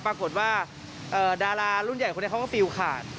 ปรากฏว่าดารารุ่นใหญ่คนนี้เขาก็ฟิลขาด